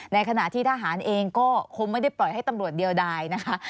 ในขณะที่ทหารเองก็คงไม่ได้ปล่อยให้ตำรวจเดียวใดนะคะ